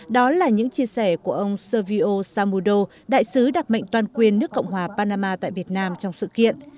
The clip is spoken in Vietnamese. đó là những chia sẻ của ông servio samudo đại sứ đặc mệnh toàn quyền nước cộng hòa panama tại việt nam trong sự kiện